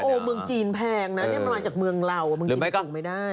เมืองจีนแพงนะเนี่ยมันมาจากเมืองเราเมืองจีนสั่งไม่ได้